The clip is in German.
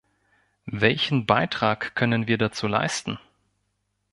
Welchen Beitrag können wir dazu leisten?